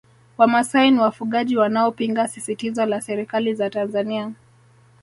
Wamasai ni wafugaji wanaopinga sisitizo la serikali za Tanzania